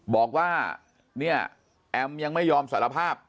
บอกว่าแอมยังไม่ยอมสารภาพ